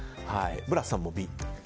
ブラスさんもＢ。